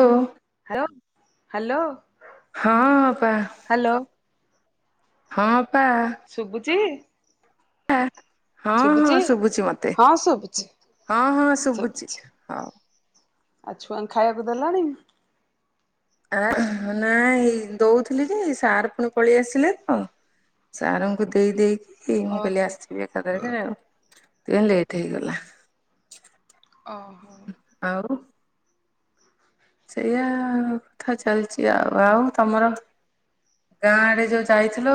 ଓ ଲୋ ହାଲୋ ହଁ ଅପା ହଁ ଶୁଭୁଛିି? ଆ ହଁ ହଁ ଶୁଭୁଛି ମତେ ହଁ ଶୁଭୁଛି ହଁ ହଁ ଶୁଭୁଛି ହଉ । ଆଉ ଛୁଆଙ୍କୁ ଖାଇବାକୁ ଦେଲଣି? ଆ ନା ହେଇ ଦଉଥିଲି ଯେ ସାର୍ ପୁଣି ପଳେଇ ଆସିଲେ ତ ସାରଙ୍କୁ ଦେଇ ଦେଇକି ହେଇ ମୁଁ କାଲି ଓହୋ ଆସିବି ଏକାଥରକରେ ଆଉ । ତେନ୍‌ ଲେଟ୍ ହେଇଗଲା । ଅ ହ ସେଇଆ କଥା ଚାଲିଛି ଆଉ ଆଉ ତମର ଗାଁ ଆଡେ ଯୋଉ ଯାଇଥିଲ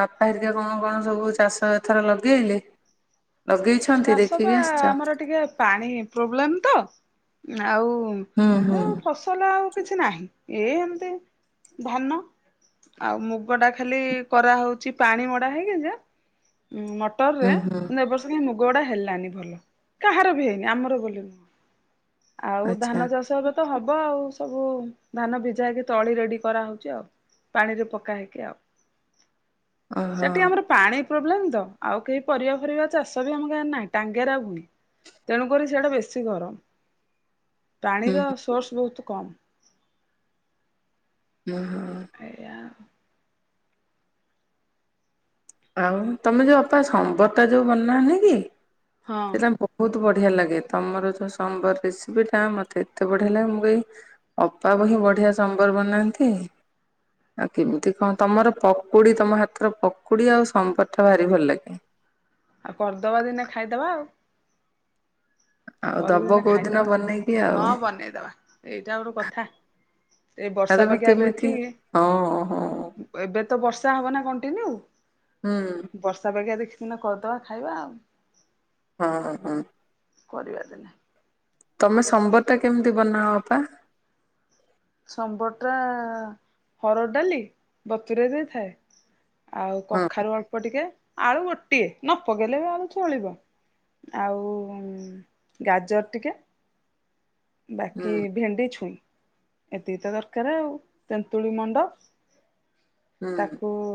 ବାପା ହେରିକା କଣ କଣ ସବୁ ଚାଷ ଏଥର ଲଗେଇଲେ? ଲଗେଇଛନ୍ତି ଚାଷ ଦେଖିକି ପା ଆସିଛ ଆମର ଟିକେ ପାଣି ପ୍ରୋବ୍ଲେମ ତ । ଆଉ ହୁଁ ହୁଁ ଯୋଉ ଫସଲ ଆଉ କିଛି ନାହିଁ ଏ ଏମିତି ଧାନ ଆଉ ମୁଗ ଟା ଖାଲି କରାହଉଛି ପାଣି ମଡା ହେଇକି ଯ ହ ମଟର ରେ ହୁଁ ହୁଁ କିନ୍ତୁ ଏବର୍ଷ କାଇଁ ମୁ ଗୋଡା ହେଲାନି ଭଲ କାହାର ବି ହେଇନି ଆମର ବୋଲି ନୁହଁ ଆଉ ଆଚ୍ଛା ଧାନ ଚାଷ ହବ ତ ହବ ଆଉ ସବୁ ଧାନ ଭିଜା ହେଇକି ତଳି ରେଡି କରାହଉଛି ଆଉ ପାଣିରେ ପକା ହେଇକି ଆଉ। ଓହୋ ସେଠି ଆମର ପାଣି ପ୍ରୋବ୍ଲେମ ତ ଆଉ କେହି ପରିବା ଫରିବା ଚାଷ ବି ଆମ କ ନାହିଁ ଟାଙ୍ଗେରା ଭୁଇଁ ତେଣୁକରି ସିଆଡେ ବେଶୀ ଗରମ। ହୁଁ ପାଣିର ସୋର୍ସ ବହୁତ କମ୍ ହୁଁ ହୁଁ, ଆଆ [inaudible] ଆଉ ତମେ ଯୋଉ ଅପା ସମ୍ବରଟା ଯୋଉ ବନାନି କି? ହଁ ସେଇଟା ବହୁତ ବଢ଼ିଆ ବଢିଆ ଲାଗେ ତମର ଯେଉଁ ସମ୍ବର ରେସିପିଟା ମୋତେ ଏତେ ବଢ଼ିଆ ଲାଗେ ମୁଁ ଏହି ଅପାପ ହିଁ ବଢ଼ିଆ ସମ୍ବର ବନାନ୍ତି ଆଉ କେମିତି କଣ ତମର ପକୁଡ଼ି ତମ ହାତର ପକୁଡ଼ି ଆଉ ସମ୍ବରଟା ଭାରି ଭଲ ଲାଗେ। ଆଉ କରିଦବା ଦିନେ ଖାଇଦବା ଆଉ। ଆଉ କରିକି ଦବ ଦିନେ କୋଉ ଦିନ ଖାଇଦବା ବନେଇକି ଆଉ ହଁ ବନେଇଦବା ଏଇଟା ଗୋଟେ କଥା ଏଇ ଆଉ ବର୍ଷା ତମେ ପାଗିଆ କେମିତି ହଁ ହଁ ଦେଖିକି ଏବେ ତ ବର୍ଷା ହବ ନା କଣ୍ଟିନ୍ୟୁ? ହୁଁ ବର୍ଷା ପାଗିଆ ଦେଖି କିନା କରିଦବା ଖାଇବା ଆଉ। ହଁ ହଁହୁଁ, କରିବା ଦିନେ। ତମେ ସମ୍ବର ଟା କେମିତି ବନାଅ ଅପା? ସମ୍ବର ଟା ହରଡ଼ଡାଲି ବତୁରେଇ ଦେଇ ଥାଏ। ଆଉ ହଁ କଖାରୁ ଅଳ୍ପ ଟିକେ। ଆଳୁ ଗୋଟିଏ ନ ପକେଇଲେ ବି ଆଳୁ ଚଳିବ ଆଉ ଗାଜର ଟିକେ, ହୁଁ ବାକି ଭେଣ୍ଡି ଛୁଇଁ। ଏତିକି ତ ଦରକାର ଆଉ ତେନ୍ତୁଳି ମଣ୍ଡପ ହୁଁ ତାକୁଉ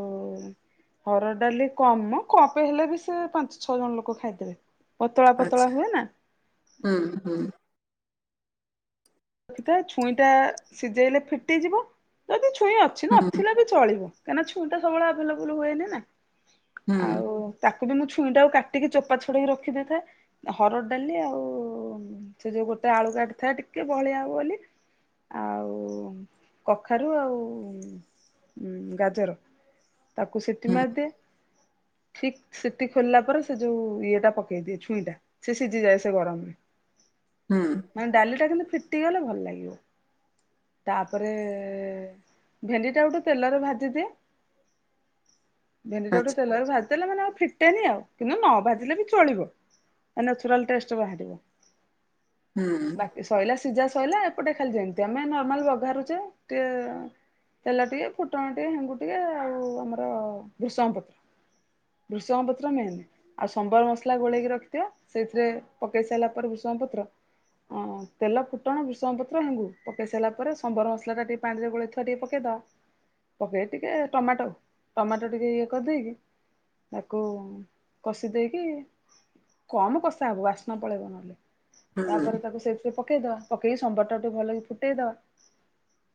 ହରଡ଼ ଡାଲି କମ କପେ ହେଲେ ବି ସେ ପାଞ୍ଚ ଛଅ ଜଣ ଲୋକ ଖାଇଦେବେ। ପତଳା ପତଳା ଆଚ୍ଛା ହୁଏ ନା। ହୁଁ ହୁଁ ସେଟା ଛୁଇଁ ଟା ସିଝେଇଲେ ଫିଟି ଯିବ [unintelligible] ଛୁଇଁ ଅଛି ହୁଁ ନଥିଲେ ବି ଚଳିବ। କାହିଁକିନା ଛୁଇଁଟା ସବୁବେଳେ ଆଭଲେବଲ ହୁଏନି ନା। ହୁଁ ଆଉ ତା କବି ମୁଁ ଛୁଇଁଟାକୁ କାଟିକି ଚୋପା ଛଡେଇଦେକି ରଖିଦେଇଥାଏ ହରଡ଼ ଡାଲି ଆଉ ସେ ଯୋଉ ଗୋଟେ ଆଳୁକାଟି ଥାଏ ଟିକେ ଟିକେ ବଳିଆ ହେବ ବୋଲି ଆଉ କଖାରୁ ଆଉ ଗାଜର ତାକୁ ସିଟି ହୁଁ ମାରିଦିଏ ଠିକ୍ ସିତି ଖୋଲ୍ଲା ପରେ ସେ ଯୋଉ ଇଏ ଟା ପକେଇ ଦିଏ ଛୁଇଁଟା ସେ ସିଜିଯାଏ ସେ ଗରମରେ ହୁଁ ଉଁ ଡାଲି ଟା କିନ୍ତୁ ଫିଟିଗଲେ ଭଲ୍ ଲାଗିବ ତାପରେ ଭେଣ୍ଡିଟାକୁ ଟେ ତେଲରେ ଭାଜିଦିଏ [inaudible] ଭେଣ୍ଡିଟାକୁ ଆଚ୍ଛା। ଟିକେ ତେଲରେ ଭାଜ୍ ଦେଲେ ମାନେ ଆଉ ଫିଟେନି ଆଉ କିନ୍ତୁ ନ ବାଝିଲେ ବି ଚଳିବ ନେଚୁରାଲ୍ ଟେଷ୍ଟ ବାହାରିବ ହୁଁ। ଆ ସିଝା ସଇଲା ଏପଟେ ଖାଲି ଯେମତି ଆମେ ନର୍ମାଲ୍ ବଘରୁଛଚେ ଟିଏ ତେଲ ଟିଏ ଫୁଟଣ ଟିଏ ହେଙ୍ଗୁ ଟିକେ ଆଉ ଆମର ବୃଷଙ୍ଗ୍ ପତ୍ ବୃଷଙ୍ଗ ପାତ୍ର ମେନ୍ ଆଉ ସମ୍ବର୍ ମସ୍ଲା ଗୋଳେଇକି ରଖିଥିଅ ସେଥିରେ ପକେଇ ସଇଲା ପରେ ବୃଷଙ୍ଗ ପତ୍ର ଅଁ ତେଲ ଫୁଟଣ ବୃଷଙ୍ଗ୍ ପତ୍ର ଲୁଡୁ ପକେଇ ସାରିଲା ପରେ ସମ୍ବର ମସଲାଟା ଟି ପାଣିରେ ଗୋଳେଇ ଥିବା ଟିଏ ପକେଇଦେଆ ପକେଇ ଟିକେ ଟମାଟୋ ଟମାଟୋ ଟିକେ ଇଏ କରିଦେଇକି ତାକୁ କଷି ଦେଇକି କମ୍ କଷା ହବ ଆସ୍ନା ପଳେଇବ ନହେଲେ ହୁଁ ତାପରେ ତାକୁ ସେପ୍ ସେ ଇଦା ପକେଇ ସମ୍ବର୍ ଟା ଉ ଟିକେ ଭଲଇ ଫୁଟେଇ ଦଆ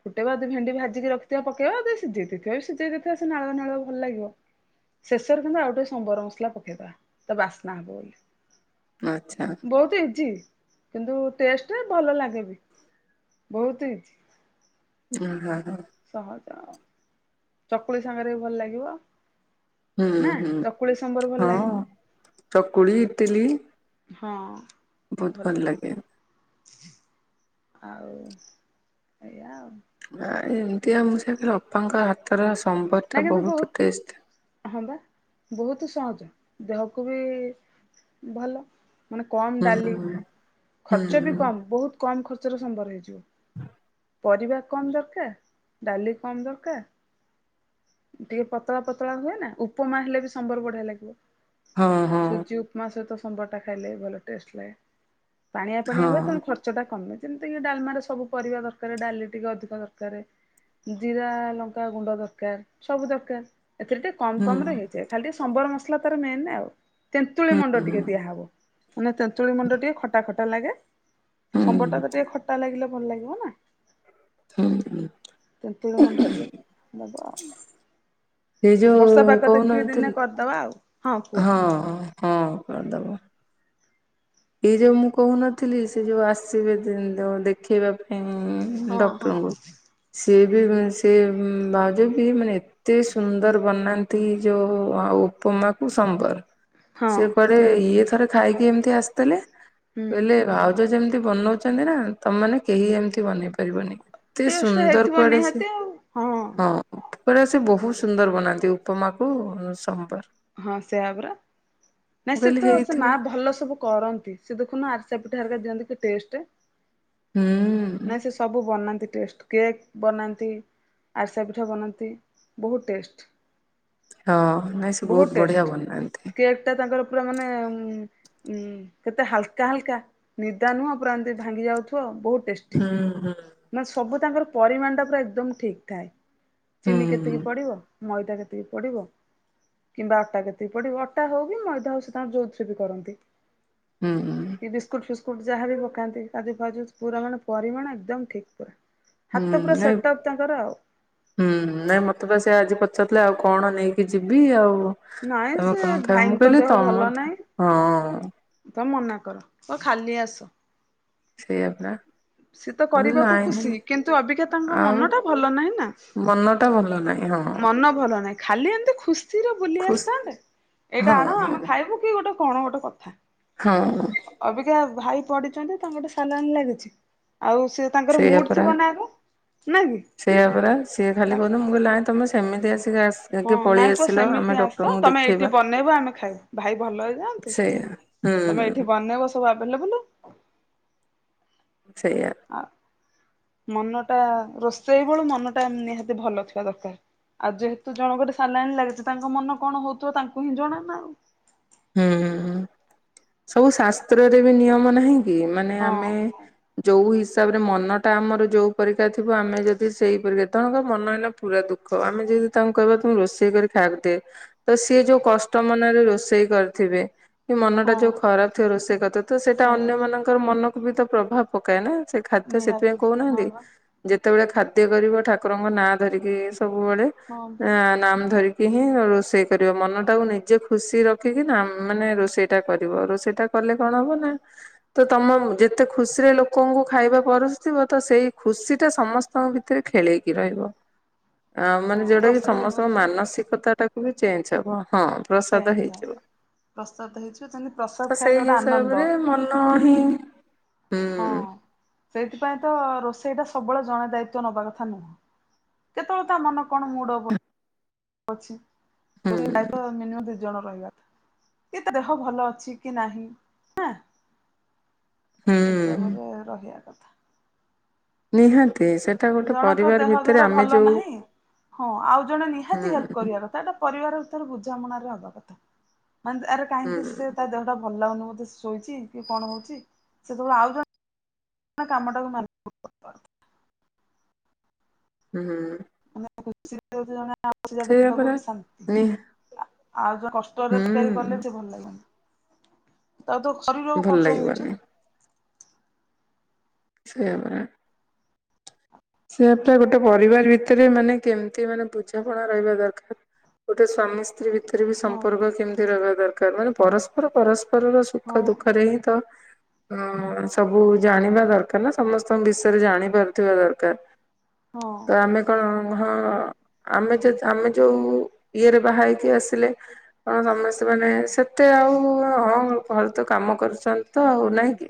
ଫୁଟେବା ଯଦି ଭେଣ୍ଡି ଭାଜିକି ରଖିଥିଆ ପାକେବା ଯଦି ଶିଝେଇ ଦେଇଥିବା ବି ଜାଝେଇ ଦେଇଥିବା ସେ ନାଳୁଆ ନାଳୁଆ ଭଲ୍ ଲାଗିବ ଶେଷରୁ କିନ୍ତୁ ଆଉ ଟିଏ ସମ୍ବର ମାସ୍ଲା ପକେଇଦବା ତା ବାସ୍ନା ହେବ ବଳି ଆଚ୍ଛା ବହୁତ୍ ଇଜି କିନ୍ତୁ ଟେଷ୍ଟେ ଭଲ ଲାଗେନି ବହୁତ୍ ଇଜି [unintelligible] ସହଜ। ଚକୁଳି ସାଙ୍ଗରେ ଭଲ୍ ଲାଗିବ। ଉଁ ନା ହୁଁ ଚକୁଳି ସମ୍ବର ଭଲ ଲାଗେ। ଅଁ ଚକୁଳି ଇଟିଲି ହଁ ବହୁତ ଭଲ୍ ଭଲ ଲାଗେ [inaudible] ଆଉ ଏୟା ଆଉ ବା ଏମତି ଆଉ ଶୀଘ୍ର ଅପାଙ୍କ ହାତର ସୁ ନାଇଁ କିନ୍ତୁ ବହୁତ୍ ହଁ ବା ବହୁତୁ ସହଜ ଦେହକୁ ବି ଭଲ। ମାନେ କମ୍ ହୁଁ ଡାଲି ହୁଁ ଖର୍ଚ୍ଚ ବି କମ୍ ବହୁତ୍ କମ୍ ଖର୍ ଚାରୁ ସମ୍ବର ହେଇଯିବ ପରିବା କମ୍ ଦର୍କାର ଡାଲି କମ୍ ଦର୍କା ଟିଏ ପତଳା ପତଳା ହୁଏ ନା ଉପମା ହେଲେ ବି ସମ୍ବର୍ ବଢିଆ ଲାଗିବ। ହଁ ହଁ ସୁଜି ଉପ୍ମା ସହିତ ସମ୍ବର୍ ଟା ଖାଇଲେ ଭଲ ଟେଷ୍ଟ୍ ଲାଏ ପାଣିଆ ପାଣିଆ ହଁ ହୁଏ ତୁଣୁ ଖର୍ଚ୍ଚ ଟା କମେ ଏମିତି କି ଡାଲ୍ମାରେ ସବୁ ପରିବା ଦର୍କାର ଡାଲି ଟିକ ଅଧିକ ଦରକାରେ ଜିରା ଲଙ୍କା ଗୁଣ୍ଡ ଦର୍ କାର୍ ସବୁ ଦରକାର୍ ଏଥିରେ ତେ କମ୍ ହୁଁ କମ୍ ରେ ହେଇ ଯାଏ ଖାଲିସ୍ ସମ୍ବର୍ ମସ୍ଲା ତାର ମେନେ ଆଉ ତେନ୍ତୁଳି ହୁଁ ମଣ୍ଡ ହୁଁ ଟିକେ ଦିଆହାବ ପୁନି ତେନ୍ତୁଳି ମୁଁଣ୍ଡ ଟିଟା ଖଟା ଖଟ୍ କଣ ଲାଗେ? ସମ୍ବର ଟା ତ ହୁଁ ଟିକେ ଖଟା ଲାଗିଲା ଭଲ ଲାଗିବ ନା। ତେନ୍ତୁଳି ମୁଣ୍ଡ ଟିକେ [inaudible] [unintelligible] ଏଇ ବର୍ଷା ଯୋଉ ପାଗ ଦେଖିକି ଦିନେ କହୁନଥିଲି କରିଦବା ଆଉ। ହଁ ହଁ କରିଦବ ଏଇ ଯୋଉ ମୁଁ କହୁନଥିଲି ସେ ଯୋଉ ଆସିବେ [unintelligible] ଦେଖେଇବା ପାଇଁ ହଁ ହଁ। ଡକ୍ଟରଙ୍କୁ ସିଏ ବି ସେ ଭାଉଜ ବି ମାନେ ଏତେ ସୁନ୍ଦର ବନାନ୍ତି ଯୋଉ ଉପମାକୁ ସମ୍ବର। ହଁ ସେ ପରେ ଇଏ ଥରେ ଖାଇକି ଏମିତି ଆସ ହୁଁ [unintelligible] ହେଲେ ଭାଉଜ ଯେମିତି ବନଉଛନ୍ତି ନା ତମାନେ କେହି ଏମିତି ବନେଇ ପାରିବନି। କେତେ ଟେଷ୍ଟ ସୁନ୍ଦର ହେଇଥିବ କୁଆଡେ ସେ ନିହାତି ଆଉ ହଁ [unintelligible] ସେ ବହୁତ ସୁନ୍ଦର ବନାନ୍ତି ଉପମାକୁ ସମ୍ବର। ହଁ ସେଇଅପରା ମୁଁ ନାଇଁ ସେ କହିଲି ତ ସେ ହେଇଥିବ। ମା ଭଲ ସବୁ କରନ୍ ସେ ଦେଖୁନ ଆରିଶା ପିଠାରା ଦିଅନ୍ତି କି ଟେଷ୍ଟ ହୁଁ । ନାଇ ସେ ସବୁ ବନାନ୍ତି ଟେଷ୍ଟ କେକ୍ ବନାନ୍ତି ଆରିଶା ପିଠା ବନାନ୍ତି ବହୁତ ଟେଷ୍ଟ। ହଁ। ନାଇଁ ସେ ବହୁତ ବଢିଆ ଟେଷ୍ଟ ବନାନ୍ତି। କେକ୍ ଟା ତାଙ୍କର ପୁରା ମାନେ ଉ ଉ କେତେ ହାଲକା ହାଲକା ନିଦା ନୁହଁ ପୁରା ଏମିତି ଭାଙ୍ଗି ଯାଉଥିବ ବହୁତ ଟେଷ୍ଟି। ହୁଁ ହୁଁ। ମାନେ ସବୁ ତାଙ୍କର ପରିମାଣ ଟା ପୁରା ଏକଦମ ଠିକ୍ ଥାଏ। ହୁଁ ଚିନି କେତିକି ପଡିବ ମଇଦା କେତିକି ପଡିବ କିମ୍ବା ଅଟା କେତିକି ପଡିବ ଅଟା ହଉ କି ମଇଦା ହଉ ସେ ତାଙ୍କ ଯୋଉଥିରେ ବି କରନ୍ତି ହୁଁ ଏଇ ବିସ୍କୁଟ ଫିସ୍ ବିସ୍କୁଟ୍ ଯାହା ବି ପକାନ୍ତି କାଜୁ ଫାଜୁ ପୁରା ମାନେ ପରିମାଣ ଏକଦମ ଠିକ୍ ପୁରା। ହୁଁ ହାତ ପୁରା ନାଇଁ ସେଟଅପ୍ ତାଙ୍କର ଆଉ ହୁଁ ନାଇଁ ମତେ ବା ସେ ଆଜି ପ୍ [unintelligible] ଆଉ କଣ ନେଇକି ଯିବି ଆଉ ନାଇଁ ତମେ ସେ କଣ ଖାଇବା ଭାଇଙ୍କ ମୁକହିଲି ଦେହ ଭଲ ତମ ତ ନାହିଁ। ହଁ ତ ମନା କର କହ ଖାଲି ଆସ। ସେଇଆପା ସେତ କରିବାକୁ ଖୁସି କିନ୍ତୁ ଅବିକାତାଙ୍କ ଆଉ ମନ ଟା ଭଲ ନାହିଁ ନା ମନ ଟା ଭଲ ନାହିଁ ହଁ ମନ ଭଲ ନାହିଁ ଖାଲି ଏମିତି ଖୁସିରେ ବୁଲି ଖୁସ୍ ଆସିଥାନ୍ତେ ଏଇଟା ହଁ ଆଣ ହଁ ଆମେ ଖାଇବୁ କି ଗୋଟେ କଣ ଗୋଟେ କଥା ହଁ। ଯା ଭାଇ ପଡିଛନ୍ତି ତାଙ୍କଠି ସାଲାନ ଲାଗିଛି। ଆଉ ସେ ତାଙ୍କର ମୁଡ୍ ସେଇଆାପରା ଥିବ ନା ଆଗ ନା ସେଇଆପରା ସିଏ ଖାଲି କି? କୁହନ୍ତୁ ମୁଁ କହିଲି ନାଇଁ ତମେ ସେମିତି ଆସ ହଁ ନାଇଁ ପୁଅ ସେମିତି ଆସ ତମେ ଦେଖେଇବା ଏଇଠି ବନେଇବ ଆମେ ଖାଇବୁ ଭାଇ ଭଲ ହେଇଯାଆନ୍ତୁ ସେଇଆ ତମେ ହୁଁ ଏଇଠି ବନେଇବ ସବୁ ଆଭେଲେବୁଲ ସେଇଆ ମନ ଟା ରୋଷେଇ ବେଳୁ ମନଟା ନିହାତି ଭଲ ଥିବା ଦରକାର ଆଉ ଯେହେତୁ ଜଣଙ୍କର ସାଲାନ ଲାଗିଛି ତାଙ୍କ ମନ କଣ ହଉଥିବ ତାଙ୍କୁ ହିଁ ଜଣାନା ଆଉ। ହୁଁ ହୁଁ ହଁ ସବୁ ଶାସ୍ତ୍ରରେ ବି ନିୟମ ନାହିଁ। ମାନେ ହଁ ଆମେ ହଁ ଯୋଉ ହିସାବରେ ମନ ଟା ଆମର ଯୋଉ ପରିକା ଥିବ ଆମେ ଯଦି ସେଇ ପରିକା ଜଣଙ୍କର ମନ ହେଲା ପୁରା ଦୁଃଖ ଆମେ ଯଦି ତାଙ୍କୁ କହିବା ତାମ ରୋଷେଇ କରି ଖାଇବାକୁ ଦେ ତ ସିଏ ଯୋଉ କଷ୍ଟ ମନରେ ରୋଷେଇ କରିଥିବେ କି ମନଟା ହଁ ଯୋଉ ଖରାପ ଥିବ ରୋଷେଇ କରିଦୋଉଥିବ ସେଇଟା ସେଇଆ ଅନ୍ୟ ପା ମାନଙ୍କର ମନ ବି ତ ପ୍ରଭାବ ପକାଏ ନା। ସେ ଖାଦ୍ୟ ସେଥିପାଇଁ ନିହାତି ହଁ କହୁନାହାନ୍ତି ଯେ ବା। ଯେତେବେଳେ ଖାଦ୍ୟ କରିବ ଠାକୁରଙ୍କ ନାଁ ଧରିକି ସବୁବେଳେ ହଁ ପରା ନାମ ଧରି ଏହିଁନ ରୋଷେଇ କରିବ ମନଟାକୁ ନିଜେ ଖୁସି ରେ ର ରଖିକି ନା ମାନେ ରୋଷେଇ ଟା କରିବ ରୋଷେଇଟା କଲେ କଣ ମହବ ନା ତ ତମ ଯେତେ ଖୁସିରେ ଲୋକଙ୍କୁ ଖାଇବା ପରସୁଥିବ ତ ସେଇ ଖୁସି ଟା ସମସ୍ତଙ୍କ ଭିତରେ ଖେଳେଇକି ରହିବ। ଆ ମାନେ ହଁ ଯୋଉଟା କି ପ୍ରସାଦ ହେଇ ସମସ୍ତଙ୍କ ବସିବା ମାନସିକତା ଟା କୁ ତୁବି ଚେଞ୍ ହବ। ହଁ ସେ ପ୍ରସାଦ ଯାଉ। ହେଇଛି। ପ୍ରସାଦ ହେଇଛି ପା ଚାଲେ ପ୍ରସାଦ ଖାଇଲେ ଗୋଟେ ଆନନ୍ଦ ହ ହୁଁ। ହଁ ସେଇଥିପାଇଁ ତ ରୋଷେଇଟା ସବୁବେଳେ ଜଣେ ଦାୟିତ୍ଵ ନବା କଥା ନୁହଁ କେତେବେଳେ ତା ମାନ କଣ ମୁଡ ଅଫ ଅଛି। ହୁଁ ଲ ମେନୁ [unintelligible] ଜଣ ରହିବା କି ତା ଦେହ ଭଲ ଅଛି କି ନାହିଁ। ହୁଁ ହିସାବରେ ରହିଆ କଥ ନିହାଁ ଜଣଙ୍କ ଦେହ ଧର ଭଲ ଯୋଉ ନାହିଁ ହଁ ଆଉ ଜଣେ ହୁଁ ନିହାତି ହେଲ୍ପ କରିବା କଥା ଏଟା ପରିବାର ତାର ବୁଝାମଣାରେ ହବା କଥା। ମାନ୍ଦ ଆରେ ହୁଁ କାହିଁକି ସେ ତା ଦେହଟା ଭ ଭଲଲାଗୁନି ବୋଧେ ଶୋଇଚି କି କଣ ହଉଚି ସେତେବେଳେ ଆଉ ଜଣେ କାମଟାକୁ [unintelligible] ହୁଁ ଉଁ। ଆମେ [unintelligible] [unintelligible] ସେଇଆ ପରା ବି ଶାନ୍ତି ନିହା ଆଉ [unintelligible] କଷ୍ଟରେ ତକାରି କଲେ ସେ ହୁଁ ଭଲ ଲାଗିବନି। ତା ତ ଶରୀରକୁ ଭଲ କଷ୍ଟ ହଉଚି ଲାଗିବନି ନାଆ। ସେଇଆ ପରା। ସେପ ଟା ଗୋଟେ ପରିବାର ଭିତରେ ମାନେ କେମତି ମାନେ ବୁଝାପଣା ରହିବା ଦରକାର ଗୋଟେ ସ୍ଵାମୀ ସ୍ତ୍ରୀ ଭିତ ଏଥିରେ ବି ହଁ ସମ୍ପର୍କ କେମତି ରହିବା ଦରକା ମାନେ ପରସ୍ପର ପରସ୍ପ ରର ସୁଖ ହଁ। ଦୁଃଖରେ ହିଁ ତ ହଅଁ ସବୁ ଜାଣିବା ଦରକାର ନା ସମସ୍ତଙ୍କ ବିଷୟରେ ଜାଣିପାରୁଥିବା ଦରକା କାର୍। ହଁ ତ ଆମେ କଅଁ ହଁଅ ଆମେ ଯେ-ଆମେ ଯୋଉ ଇଏରେ ବାହା ହେଇକି ଆସିଲେ ତାଙ୍କ ସମସ୍ତେ ମାନେ ସେତେ ଆଉ ହଁ ଘରେ ତ କାମ କରୁଚନ୍ତି ତ ଆଉ ନାହିଁ କି?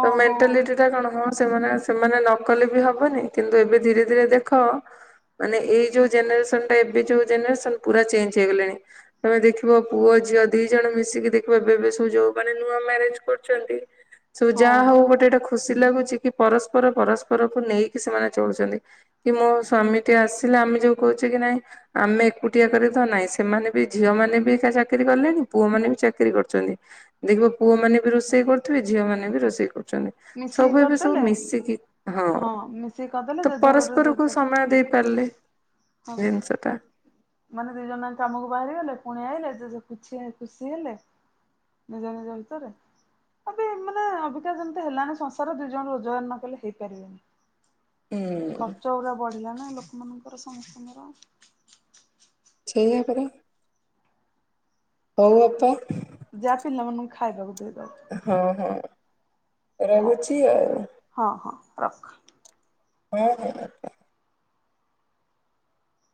ତ ହଁ ମେଣ୍ଟାଲିଟି ଟା କଣ ହ ସେମାନେ ସେମାନେ ନକଲି ବି ହବ। ହବନି କିନ୍ତୁ ଏବେ ଧୀରେ ଧୀରେ ଦେଖଅ ମାନେ ଏଇ ଯୋଉ ଜେନେରେସନ୍ ଟା ଏବେ ଯୋଉ ଜେନେରେସନ୍ ପୁରା ଚେଞ୍ଜ ହେଇଗଲେଣି ତମେ ଦେଖିବ ପୁଅ ଝିଅ ଦି ଜଣ ମିଶିକି ଦେଖିବ ଏବେ ଏବେ ସବୁ ଯୋଉ ମାନ ନୂଆ ମ୍ୟାରେଜ୍ କରୁଚନ୍ତି। ସବୁ ଯାଆ ହଁ ହଉ ଗୋଟେ ଗୋଟେ ଖୁ ଖୁସି ଲାଗୁଚି କି ପରସ୍ପର ପରସ୍ପରକୁ ନେଇ କି ସେମାନେ ଚଳୁଚନ୍ତି କି ମୋ ସ୍ଵାମୀଟି ଆସିଲେ ଆମେ ଯୋଉ କହୁଚେ କି ନାଇଁ ଆମେ ଏକୁଟିଆ କରି ତ ନାଇଁ ସେମାନେ ବି ଝିଅ ମାନେ ବି ଚା-ଚାକିରି କଲେଣି ପୁଅମାନେ ବି ଚାକିରି କରୁଚନ୍ତି ଦେଖିବ ପୁଅ ମାନ ବି ରୋଷେଇ କରୁଥିବେ ଝିଅ ମାନେ ବି ରୋଷେଇ କରୁ ଚନ୍ତି ମିଶିକି ସବୁ ଏବେ କରିଦେଲେ ସବୁ ମିଶିକି ହଁଅଁ। ହଁ ମିଶିକି କରିଦେଲେ ତ ଜେଜେବାପାର ପରସ୍ପରକୁ ଜେଜେ ସମୟ ଦେଇପାରିଲେ ହଁ ଜିନିଷ ଟା। ମାନେ ଦି ଯାଙ୍କ କାମକୁ ବାହାରି ଗଲେ ପୁଣି ଆଇଲେ ଯେ-ଯ କୁଛି ଖୁସି ହେଲେ ନିଜ ନିଜ ଭିତରେ ଅଭି ମାନେ ଅଭିକା ଯେମତି ହେଲାନି ସଂସାର ଦି ଜଣ ରୋଜଗାର ନକଲେ ହେଇପାରିବନି। ହୁଁ ଖର୍ଚ୍ଚ ପୁରା ବଢିଲା ନାଁ ଲୋ ଲୋକମାନଙ୍କର ସମସ୍ତଙ୍କର। [inaudible] [unintelligible] ହଉ ଅପା। ଯାଆ ପିଲାମାନଙ୍କୁ ଖାଇବାକୁ ଦେଇଦବ। ହଁ ହଁ ହଉ ରହୁଛିି ଆ ହଁ ହଁ ରଖ। ହୁଁ ହୁଁ।